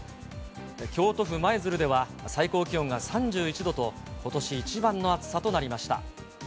京都府舞鶴では最高気温が３１度と、ことし一番の暑さとなりました。